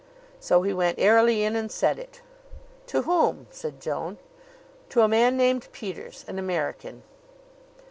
So he went airily in and said it. "To whom?" said Joan. "To a man named Peters an American."